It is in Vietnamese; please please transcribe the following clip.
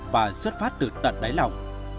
và xuất phát từ tận đáy lòng